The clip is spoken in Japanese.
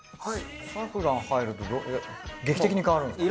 サフラン入ると劇的に変わるんですか？